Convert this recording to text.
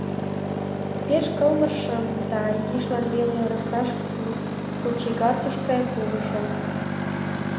Пеш кылмышым да изишлан веле ырыкташ кочегаркышке пурышым.